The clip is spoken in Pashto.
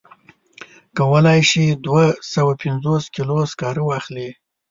کولای شي دوه سوه پنځوس کیلو سکاره واخلي.